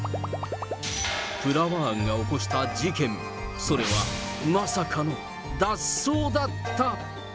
プラワーンが起こした事件、それはまさかの脱走だった。